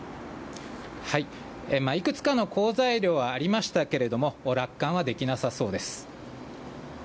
いくつかの好材料はありましたけれども、楽観はできなさそうです。